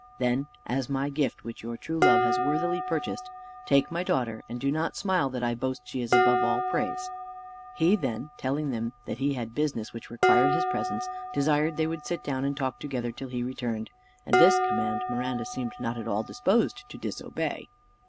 Then as my gift, which your true love has worthily purchased, take my daughter, and do not smile that I boast she is above all praise." He then, telling them that he had business which required his presence, desired they would sit down and talk together till he returned; and this command Miranda seemed not at all disposed to disobey.